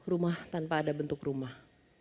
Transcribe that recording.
rumah tanpa ada bentuk rumah